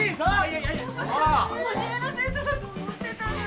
真面目な生徒だと思ってたのに。